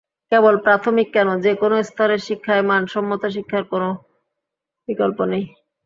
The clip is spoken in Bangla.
কেবল প্রাথমিক কেন, যেকোনো স্তরের শিক্ষায় মানসম্মত শিক্ষার কোনো বিকল্প নেই।